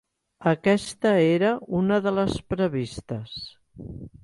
Aquesta era una de les previstes.